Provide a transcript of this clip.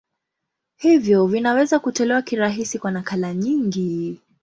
Hivyo vinaweza kutolewa kirahisi kwa nakala nyingi.